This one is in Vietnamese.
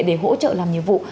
để hỗ trợ làm nhiệm vụ